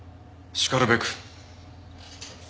しかるべく。